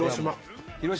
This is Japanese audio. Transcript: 広島。